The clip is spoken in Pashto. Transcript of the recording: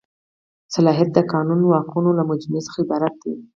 صلاحیت د قانوني واکونو له مجموعې څخه عبارت دی.